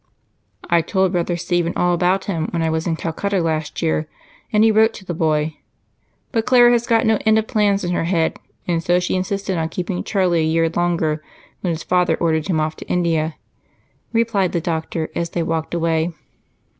"I told brother Stephen all about him when I was in Calcutta last year, and he wrote to the boy, but Clara has got no end of plans in her head and so she insisted on keeping Charlie a year longer when his father ordered him off to India," replied the doctor as they walked away.